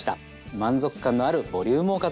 満足感のあるボリュームおかずです！